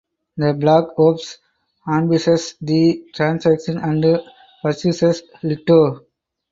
The Black Ops ambushes the transaction and pursues Lito.